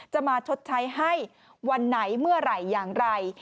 จะมาชดใช้ให้วันไหนเมื่อไหร่อย่างไร